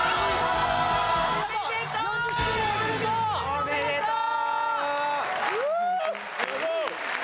おめでとう！